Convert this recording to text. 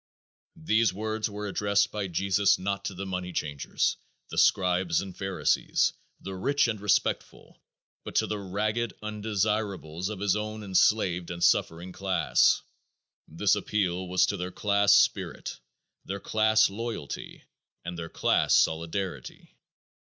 These words were addressed by Jesus not to the money changers, the scribes and pharisees, the rich and respectable, but to the ragged undesirables of his own enslaved and suffering class. This appeal was to their class spirit, their class loyalty and their class solidarity.